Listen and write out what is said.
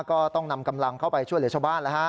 ก็ต้องนำกำลังเข้าไปช่วยเหลือชาวบ้าน